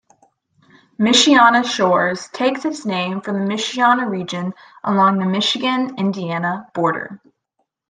Michiana Shores takes its name from the Michiana region along the Michigan-Indiana border.